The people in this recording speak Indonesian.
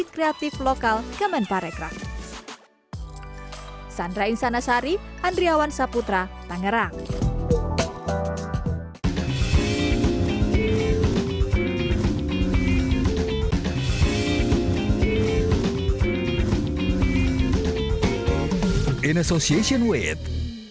kreatif lokal kemenparekraf sandra insanashari andriawan saputra tangerang in association with